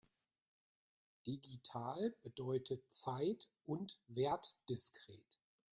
Digital bedeutet zeit- und wertdiskret.